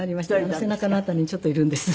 あの背中の辺りにちょっといるんです。